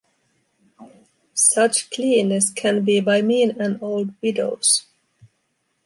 Such cleanness can be by mean and old widows.